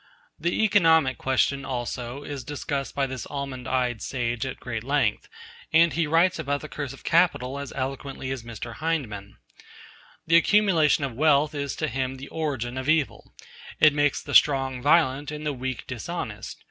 The economic question, also, is discussed by this almond eyed sage at great length, and he writes about the curse of capital as eloquently as Mr. Hyndman. The accumulation of wealth is to him the origin of evil. It makes the strong violent, and the weak dishonest.